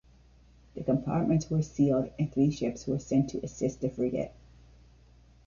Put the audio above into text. The compartments were sealed and three ships were sent to assist the frigate.